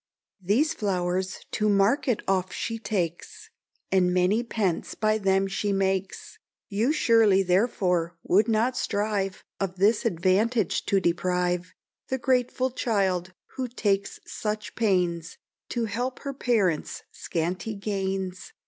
These flowers to market off she takes, And many pence by them she makes; You surely, therefore, would not strive Of this advantage to deprive The grateful child, who takes such pains, To help her parents' scanty gains.